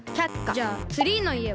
じゃあツリーの家は？